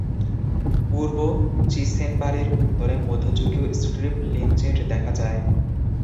পূর্ব চিসেনবারির উত্তরে মধ্যযুগীয় স্ট্রিপ লিনচেট দেখা যায়।